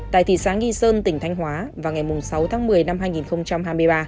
tại thị xã nghi sơn tỉnh thanh hóa vào ngày sáu tháng một mươi năm hai nghìn hai mươi ba